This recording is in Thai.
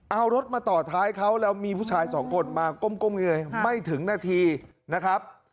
เอารถมาต่อท้ายเขาแล้วมีผู้ชายสองคนมาก้มเงยไม่ถึงนาทีนะครับ